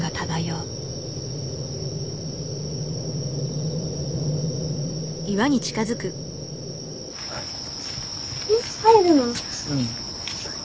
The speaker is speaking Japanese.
うん。